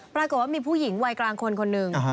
ปรากฏว่ามีผู้หญิงวัยกลางคนคนหนึ่ง